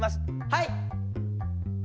はい！